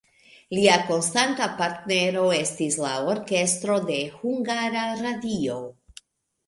Lia konstanta partnero estis la orkestro de Hungara Radio.